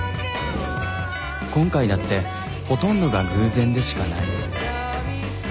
今回だってほとんどが偶然でしかない。